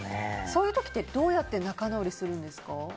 そういう時ってどうやって仲直りするんですか？